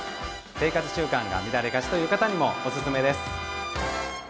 生活習慣が乱れがちという方にもおすすめです。